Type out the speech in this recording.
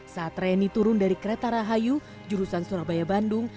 saat reni turun dari kereta rahayu jurusan surabaya bandung